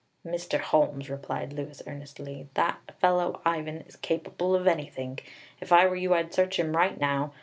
"Mr. Holmes," replied Louis earnestly, "that fellow Ivan is capable of anything. If I were you I'd search him right now.